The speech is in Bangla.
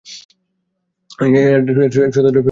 এর সদর দপ্তর টোকিওর চিয়োদাতে।